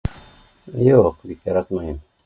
Юҡ бик яратмайым